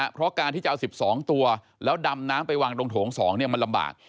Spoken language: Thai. เพราะการที่จะเอา๑๒ตัวแล้วดำน้ำไปวางตรงโถง๒มันลำบาก